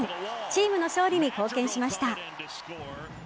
チームの勝利に貢献しました。